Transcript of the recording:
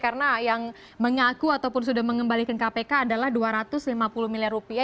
karena yang mengaku ataupun sudah mengembalikan kpk adalah dua ratus lima puluh miliar rupiah